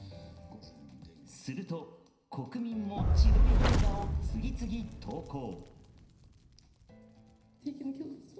すると、国民も自撮り動画を次々投稿。